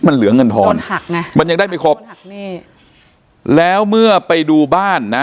มันเหลือเงินทอนมันยังได้ไม่ครบแล้วเมื่อไปดูบ้านนะ